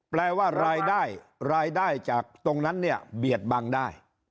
แปลว่ารายได้รายได้จากตรงนั้นเนี่ยเบียดบังได้